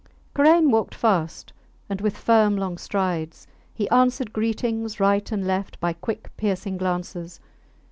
Karain walked fast, and with firm long strides; he answered greetings right and left by quick piercing glances.